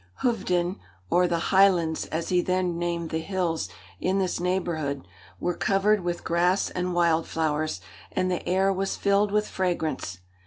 Hoofden, or the Highlands, as he then named the hills in this neighbourhood, "were covered with grass and wild flowers, and the air was filled with fragrance."